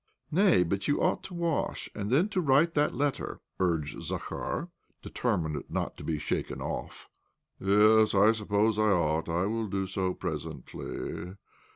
" Nay, but you ought to wash, and then to write that letter," urged Zakhar, deter mined not to be shaken off. " Yes, I suppose I ought. I will do so presently.